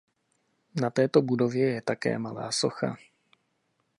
Na této budově je také malá socha.